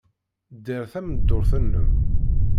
Dder tameddurt-nnem.